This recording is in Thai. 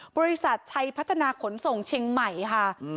บริษัทชัยพัฒนาขนส่งเชียงใหม่ค่ะ